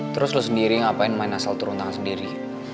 terus lo sendiri ngapain main asal turun tangan sendiri